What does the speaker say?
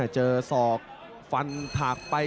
เจอศอกฟันถักไป